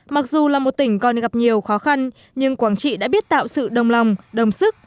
mặc dù là một tỉnh còn gặp nhiều khó khăn nhưng quảng trị đã biết tạo sự đồng lòng đồng sức